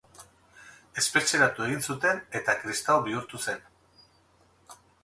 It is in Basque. Espetxeratu egin zuten eta kristau bihurtu zen.